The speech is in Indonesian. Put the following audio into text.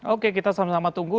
oke kita sama sama tunggu